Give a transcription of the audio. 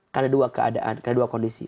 karena dua keadaan karena dua kondisi